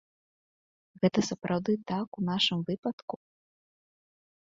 Гэта сапраўды так у нашым выпадку?